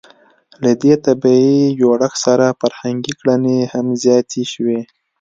له دې طبیعي جوړښت سره فرهنګي کړنې هم زیاتې شوې.